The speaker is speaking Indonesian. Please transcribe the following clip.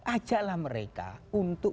ajaklah mereka untuk